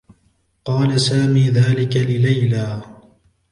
قال سامي ذلك لليلى.